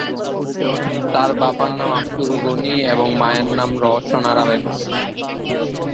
তার বাবার নাম আবদুল গনি এবং মায়ের নাম রওশন আরা বেগম।